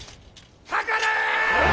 かかれ！